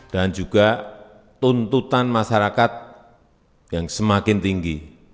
dan juga tuntutan masyarakat yang semakin tinggi